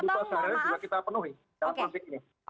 untuk kebutuhan sehari hari juga kita penuhi